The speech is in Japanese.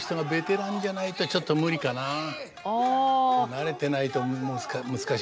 慣れてないと難しいです。